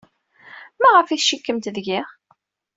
Maɣef ay tcikkemt deg-i?